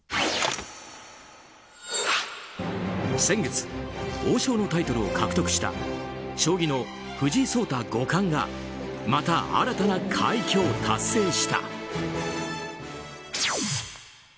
先月王将のタイトルを獲得した将棋の藤井聡太五冠がまた新たな快挙を達成した。